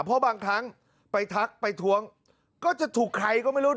เพราะบางครั้งไปทักไปท้วงก็จะถูกใครก็ไม่รู้นะ